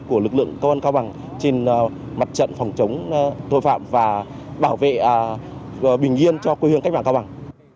của lực lượng công an có bằng trên mặt trận phòng chống tội phạm và bảo vệ bình yên cho quê hương các bảng có bằng